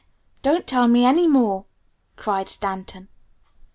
Don't tell me any more!" cried Stanton.